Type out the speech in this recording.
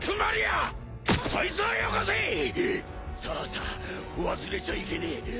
そうさ忘れちゃいけねえ。